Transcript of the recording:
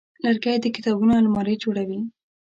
لرګی د کتابونو المارۍ جوړوي.